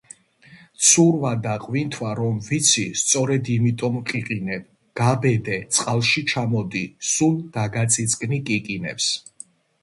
ცურვა და ყვინთვა რომ ვიცი, სწორედ იმიტომ ვყიყინებ, გაბედე, წყალში ჩამოდი, სულ დაგაწიწკნი კიკინებს!